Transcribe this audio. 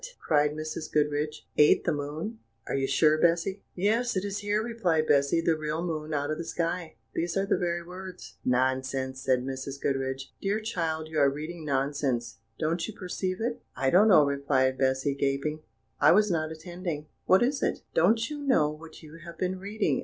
cried Mrs. Goodriche; "ate the moon? Are you sure, Bessy?" [Illustration: "'What! What!' cried Mrs. Goodriche." Page 305.] "Yes, it is here," replied Bessy; "the real moon out of the sky these are the very words." "Nonsense!" said Mrs. Goodriche; "dear child, you are reading nonsense; don't you perceive it?" "I don't know," replied Bessy, gaping; "I was not attending what is it?" "Don't you know what you have been reading?"